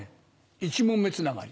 １問目つながり。